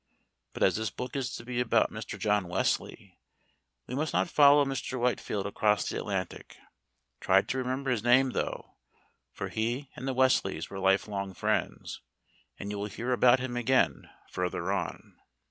But as this book is to be about Mr. John Wesley, we must not follow Mr. Whitefield across the Atlantic. Try to remember his name though, for he and the Wesleys were life long friends, and you will hear about him again further on.